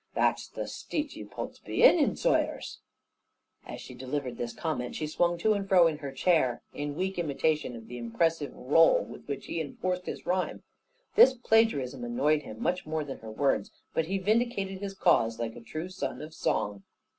That's the steet you potes be in, and zawyers." [#] Pilm, Londinicè, "dust." As she delivered this comment, she swung to and fro on her chair, in weak imitation of the impressive roll, with which he enforced his rhyme. This plagiarism annoyed him much more than her words: but he vindicated his cause, like a true son of song.